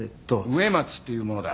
植松っていう者だ。